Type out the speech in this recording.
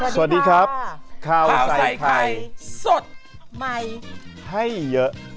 สวัสดีครับข้าวใส่ไข่สดใหม่ให้เยอะ